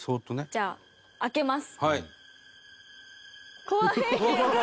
じゃあ開けます。